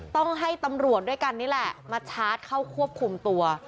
ต้องให้ตำรวจด้วยกันนี่แหละมาชาร์จเข้าควบคุมตัว